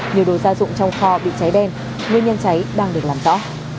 nhiều đồ gia dụng trong kho bị cháy đen nguyên nhân cháy đang được làm rõ